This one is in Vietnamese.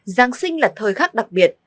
giáng sinh là thời khắc đặc biệt